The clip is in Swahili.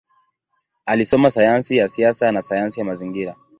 Alisoma sayansi ya siasa na sayansi ya mazingira.